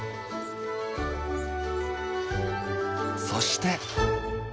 そして。